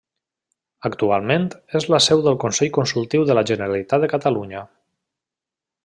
Actualment, és la seu del Consell Consultiu de la Generalitat de Catalunya.